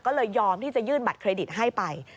ก็เลยยอมที่จะยื่นบัตรเครดิตให้ไป